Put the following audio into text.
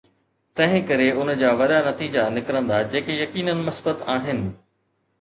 تنهن ڪري ان جا وڏا نتيجا نڪرندا جيڪي يقيناً مثبت آهن.